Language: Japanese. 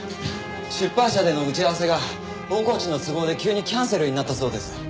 出版社での打ち合わせが大河内の都合で急にキャンセルになったそうです。